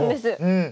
うん。